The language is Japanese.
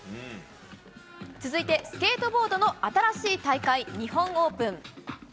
続いてスケートボードの新しい大会日本オープン。